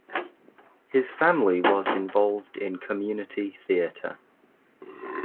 His family was involved in community theatre.